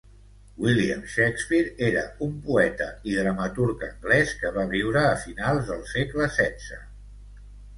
William Shakespeare era un poeta i dramaturg anglès que va viure a finals del segle setze.